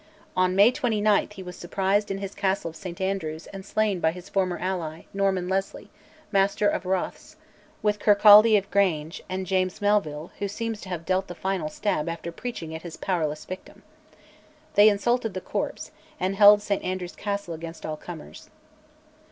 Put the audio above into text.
On May 29th he was surprised in his castle of St Andrews and slain by his former ally, Norman Leslie, Master of Rothes, with Kirkcaldy of Grange, and James Melville who seems to have dealt the final stab after preaching at his powerless victim. They insulted the corpse, and held St Andrews Castle against all comers.